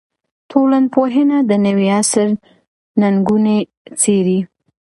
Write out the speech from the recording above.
ټولنپوهنه د نوي عصر ننګونې څېړي.